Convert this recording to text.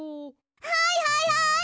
はいはいはい！